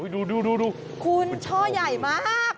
ดูคุณช่อใหญ่มาก